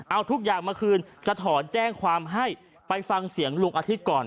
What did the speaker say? เอาทุกอย่างมาคืนจะถอนแจ้งความให้ไปฟังเสียงลุงอาทิตย์ก่อน